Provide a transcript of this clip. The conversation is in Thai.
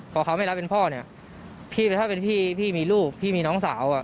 พอเขาไม่รับเป็นพ่อเนี่ยพี่ถ้าเป็นพี่พี่มีลูกพี่มีน้องสาว